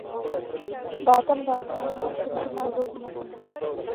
بادام د افغان ماشومانو د لوبو موضوع ده.